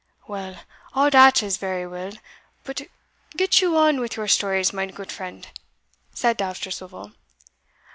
"Well, all dat is vary well but get you on with your stories, mine goot friend," said Dousterswivel.